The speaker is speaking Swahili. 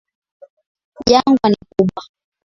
Jangwa ni kubwa.